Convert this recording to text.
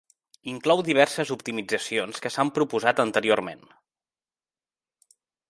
Inclou diverses optimitzacions que s'han proposat anteriorment.